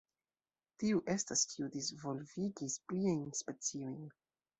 Tiu estas kiu disvolvigis pliajn speciojn.